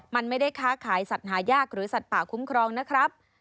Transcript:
มันไม่ได้ค้าขายสัตว์หายากหรือสัตว์ป่าคุ้มครองนะครับ